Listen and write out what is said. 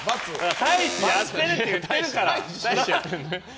大使やってるって言ってるから！